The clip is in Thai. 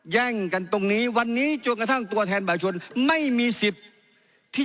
แย่งกันตรงนี้